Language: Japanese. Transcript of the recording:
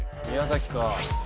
宮崎か。